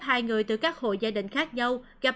sau nhiều ngày phải nằm trong phòng châu âu